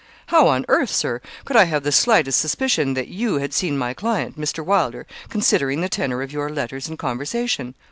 How, on earth, Sir, could I have the slightest suspicion that you had seen my client, Mr. Wylder, considering the tenor of your letters and conversation?